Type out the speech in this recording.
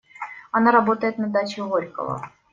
Она работает на даче Горького.